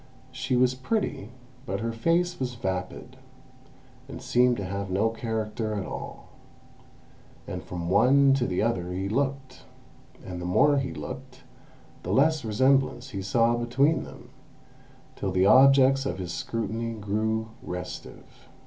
She was pretty, but her face was vapid, and seemed to have no character at all. And from one to the other he looked, and the more he looked the less resemblance he saw between them, till the objects of his scrutiny grew restive....